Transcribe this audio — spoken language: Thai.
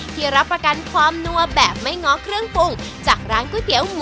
ที่รับประกันความนัวแบบไม่ง้อเครื่องปรุงจากร้านก๋วยเตี๋ยวหมู